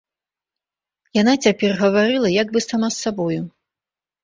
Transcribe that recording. Яна цяпер гаварыла як бы сама з сабою.